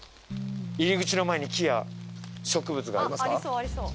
入り口の前に木や植物がある。